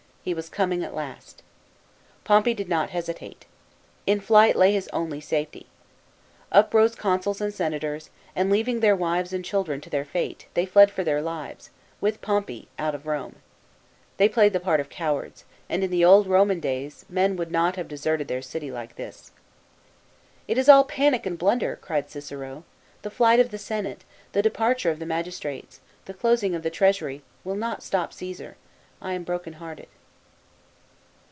He was coming at last. Pompey did not hesitate. In flight lay his only safety. Up rose consuls and senators, and leaving their wives and children to their fate, they fled for their lives, with Pompey, out of Rome. They played the part of cowards, and in the old Roman days, men would not have deserted their city like this. "It is all panic and blunder," cried Cicero ;" the flight of the Senate, the departure o f the magis trates, the closing of the treasury, will not stop Caesar I am broken hearted."